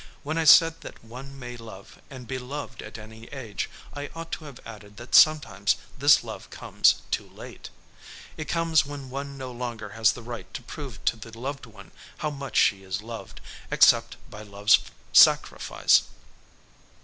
When I said that one may love and be loved at any age I ought to have added that sometimes this love comes too late. It comes when one no longer has the right to prove to the loved one how much she is loved, except by love's sacrifice.